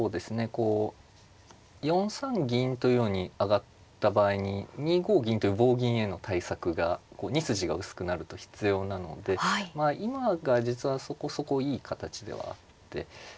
こう４三銀というように上がった場合に２五銀という棒銀への対策がこう２筋が薄くなると必要なのでまあ今が実はそこそこいい形ではあってええ。